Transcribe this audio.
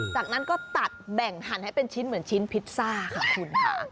จากนั้นก็ตัดแบ่งหั่นให้เป็นชิ้นเหมือนชิ้นพิซซ่าค่ะคุณค่ะ